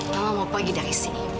mama mau pagi dari sini